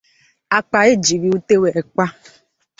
àkpà e jiri ute wee kpàá